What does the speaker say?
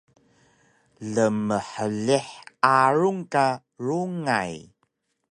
lmhlih arung ka rungay